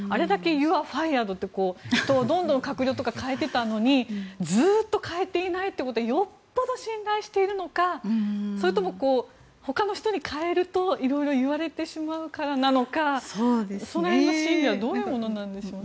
ユー・アー・ファイアードってどんどん閣僚とか変えていたのにずっと変えていないのはよっぽど信頼しているのかそれともほかの人に代えると色々言われてしまうからなのかその辺の心理はどういうものなんでしょうね。